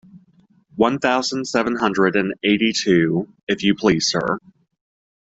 One thousand seven hundred and eighty-two, if you please, sir.